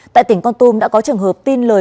tại tỉnh con tum đã có trường hợp tin lời